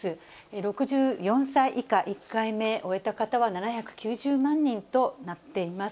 ６４歳以下、１回目、終えた方は７９０万人となっています。